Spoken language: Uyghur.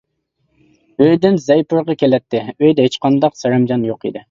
ئۆيدىن زەي پۇرىقى كېلەتتى، ئۆيدە ھېچقانداق سەرەمجان يوق ئىدى.